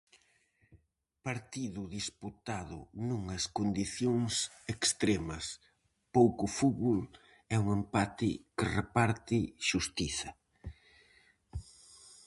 Partido disputado nunhas condicións extremas, pouco fútbol e un empate que reparte xustiza.